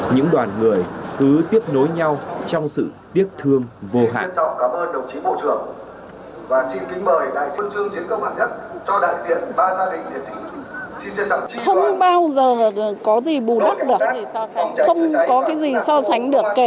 những đoàn người cứ tiếp nối nhau trong sự tiếc thương vô hạn